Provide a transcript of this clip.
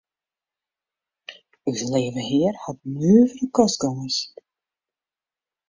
Us Leave Hear hat nuvere kostgongers.